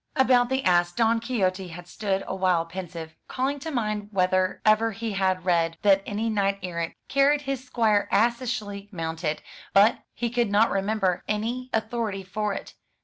About the ass Don Quixote had stood a while pensive, calling to mind whether ever he had read that any knight errant carried his squire assishly mounted; but he could not remember any author ity for it.